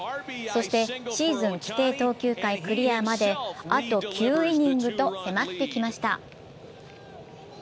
そしてシーズン規定投球回クリアまであと９イニングと迫ってきました。